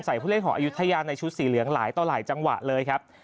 ผู้เล่นของอายุทยาในชุดสีเหลืองหลายต่อหลายจังหวะเลยครับ